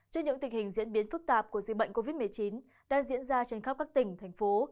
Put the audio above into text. trên những tình hình diễn biến phức tạp của dịch bệnh covid một mươi chín đã diễn ra trên khắp các tỉnh thành phố